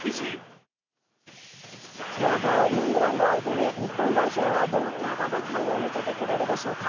強豪、イングランドを相手に日本代表はどんな戦いを見せてくれるでしょうか？